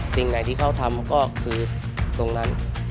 สิ่งไหนที่เขาทำก็คือตรงนั้น